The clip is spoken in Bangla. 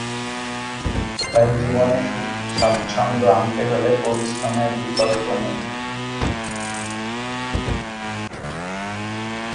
তাই জীবনে সুখ-সাচ্ছন্দ আনতে হলে পরিশ্রমের বিকল্প নেই।